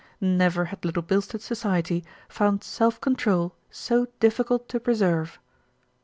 Never had Little Bilstead society found self control so difficult to preserve.